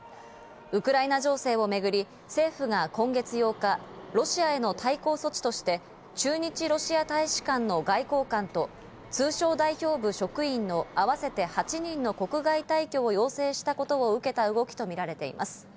ウクライナ情勢をめぐり政府が今月８日、ロシアへの対抗措置として、駐日ロシア大使館の外交官と通商代表部職員の合わせて８人の国外退去を要請したことを受けた動きとみられています。